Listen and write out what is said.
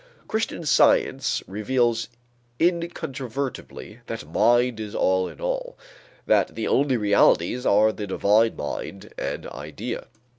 "Christian Science reveals incontrovertibly that Mind is All in All, that the only realities are the divine mind and idea."